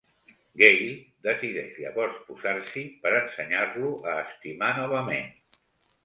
Gail decideix llavors posar-s'hi per ensenyar-lo a estimar novament.